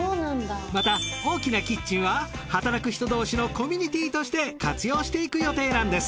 また大きなキッチンは働く人同士のコミュニティーとして活用していく予定なんです。